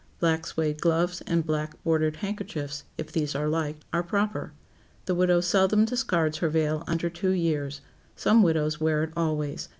Black suède gloves and black bordered handkerchiefs—if these are liked—are proper. The widow seldom discards her veil under two years,—some widows wear it always.